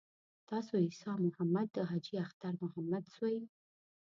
تاسو عیسی محمد د حاجي اختر محمد زوی.